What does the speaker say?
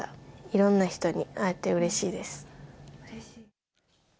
いろんな人に会えてうれしいです。